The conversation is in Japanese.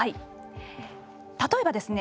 例えばですね